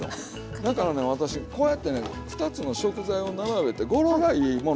だからね私こうやってね２つの食材を並べて語呂がいいもの。